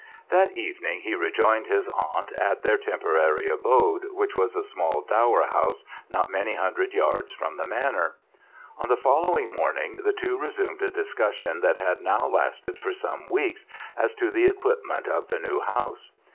That evening he rejoined his aunt at their temporary abode, which was a small dower house not many hundred yards from the Manor. On the following morning the two resumed a discussion that had now lasted for some weeks as to the equipment of the new house.